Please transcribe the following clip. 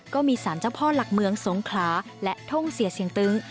ก็มีสารเจ้าพ่อหลักเมืองสงขลาและท่งเสียเสียงตึง